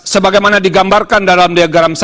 sebagaimana digambarkan dalam diagram satu